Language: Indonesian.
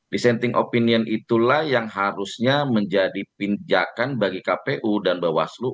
dissenting opinion itulah yang harusnya menjadi pinjakan bagi kpu dan bawaslu